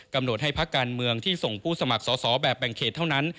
กำหนดให้พักการเมืองที่ส่งผู้สมัครสอสอแบบแบ่งเขตเท่านั้น